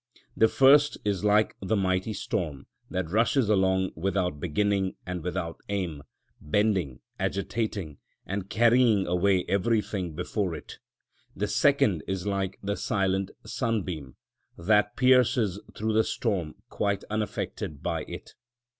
The first is like the mighty storm, that rushes along without beginning and without aim, bending, agitating, and carrying away everything before it; the second is like the silent sunbeam, that pierces through the storm quite unaffected by it.